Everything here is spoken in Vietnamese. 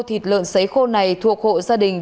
thịt lợn xấy khô này thuộc hộ gia đình